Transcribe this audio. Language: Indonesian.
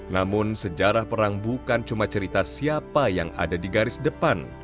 namun sejarah perang bukan cuma cerita siapa yang ada di garis depan